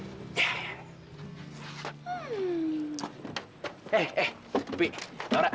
gue harus nemuin si luki sama laura dulu